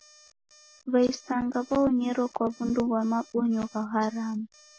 W'aisanga w'aonyero kwa w'undu ghwa mabonyo gha haramu